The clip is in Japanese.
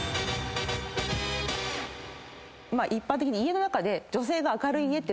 一般的に家の中で。